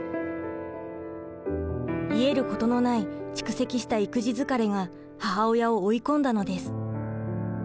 癒えることのない蓄積した育児疲れが母親を追い込んだのです。